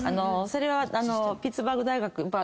それはピッツバーグ大学。